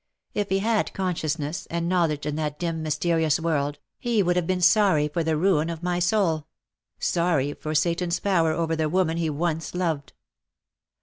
If he had conscious ness and knowledge in that dim mysterious world, he would have been sorry for the ruin of my soul — sorry for Satan^s power over the woman he once loved.